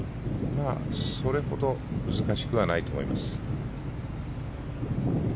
それほど難しくはないと思います。